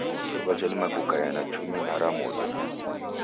Iruwa jadima kukaia na chumi na ra modo.